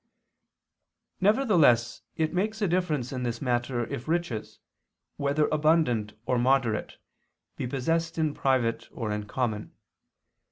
Nevertheless it makes a difference in this matter if riches, whether abundant or moderate, be possessed in private or in common.